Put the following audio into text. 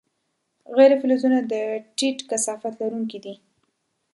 غیر فلزونه د ټیټ کثافت لرونکي دي.